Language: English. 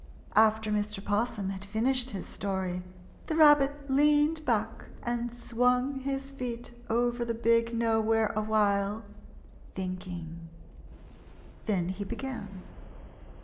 After Mr. 'Possum had finished his story, the Rabbit leaned back and swung his feet over the Big Nowhere awhile, thinking. Then he began.